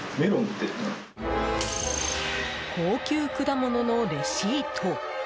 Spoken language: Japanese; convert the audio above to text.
高級果物のレシート。